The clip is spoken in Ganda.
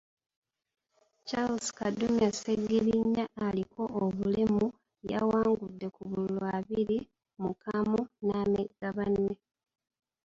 Charles Kadumya Sseggiriinya aliko obulemu yawangudde ku bululu abiri mu kamu n’amegga banne.